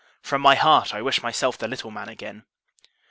From my heart, I wish myself the little man again!